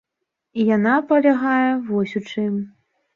І яна палягае вось у чым.